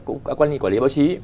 cũng các quan hệ quản lý báo chí